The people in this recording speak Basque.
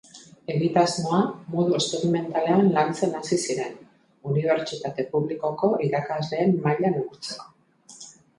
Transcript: Egitasmoa modu esperimentalean lantzen hasi ziren, unibertsitate publikoko irakasleen maila neurtzeko.